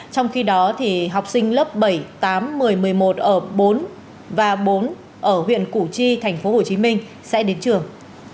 trong khi đó học sinh lớp bảy tám một mươi một mươi một ở bốn và bốn ở huyện củ chi tp hcm sẽ đến trường